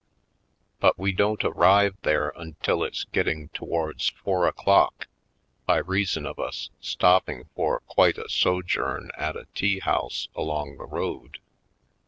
But we don't arrive there until it's get ting towards four o'clock by reason of us stopping for quite a sojourn at a tea house along the road.